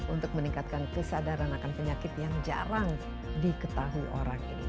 untuk meningkatkan kesadaran akan penyakit yang jarang diketahui orang ini